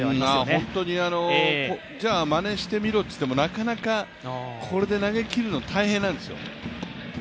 本当に、じゃあまねしてみろといっても、なかなかこれで投げきるの大変なんですよ。